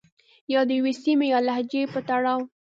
يا د يوې سيمې يا لهجې په تړاو